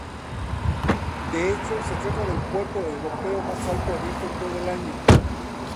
De hecho, se trata del puerto europeo más alto abierto todo el año.